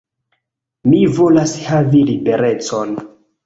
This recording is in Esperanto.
Mi volas havi liberecon.